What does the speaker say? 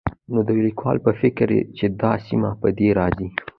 نو د ليکوال په فکر چې دا سيمه په دې ارځي